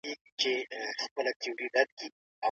د لویانو مغز د ماشوم ژړا ته ژر ځواب وايي.